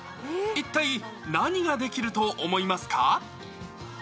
一体、何ができると思いますか？